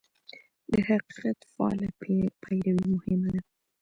د حقیقت فعاله پیروي مهمه ده.